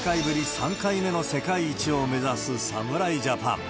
３回目の世界一を目指す侍ジャパン。